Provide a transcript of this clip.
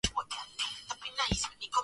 Mnyama anapenda kujisugua kwenye vitu